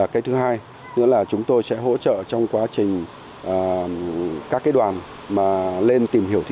cái thứ hai nữa là chúng tôi sẽ hỗ trợ trong quá trình các cái đoàn mà lên tìm hiểu